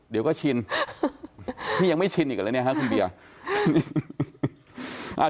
เดี๋ยวก็ชินนี่ยังไม่ชินอีกกันเลยเนี่ยฮะคุณเบียร์